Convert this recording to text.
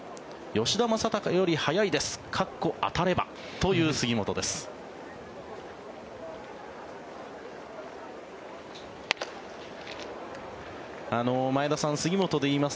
吉田正尚より速いです括弧当たればという杉本です。